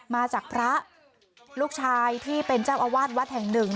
มาจากพระลูกชายที่เป็นเจ้าอาวาสวัดแห่งหนึ่ง